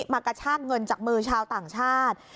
มากระชากเงินจากมือชาวต่างชาติ